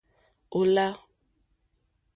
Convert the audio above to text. Ò lâ.